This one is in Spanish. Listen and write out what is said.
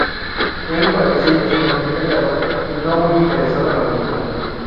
Él parecía inusualmente callado... y no muy interesado en la película.